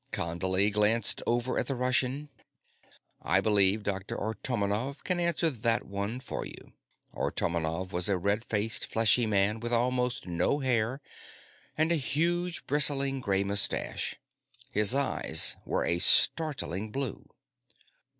Condley glanced over at the Russian. "I believe Dr. Artomonov can answer that one for you." Artomonov was a red faced, fleshy man with almost no hair and a huge, bristling, gray mustache. His eyes were a startling blue.